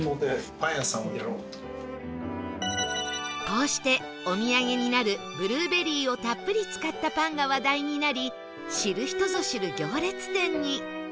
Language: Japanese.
こうしてお土産になるブルーベリーをたっぷり使ったパンが話題になり知る人ぞ知る行列店に